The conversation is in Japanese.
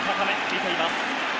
見ています。